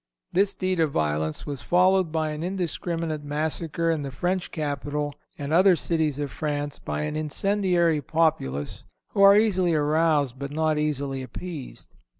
This deed of violence was followed by an indiscriminate massacre in the French capital and other cities of France by an incendiary populace, who are easily aroused but not easily appeased.